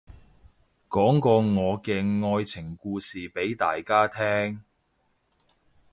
講個我嘅愛情故事俾大家聽